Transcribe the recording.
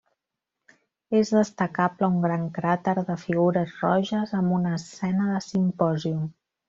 És destacable un gran crater de figures roges amb una escena de simpòsium.